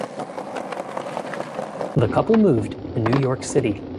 The couple moved to New York City.